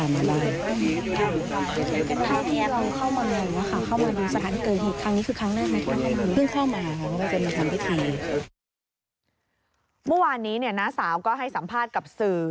เมื่อวานนี้น้าสาวก็ให้สัมภาษณ์กับสื่อ